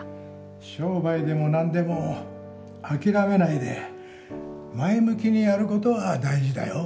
商売でもなんでもあきらめないで前向きにやることは大事だよ。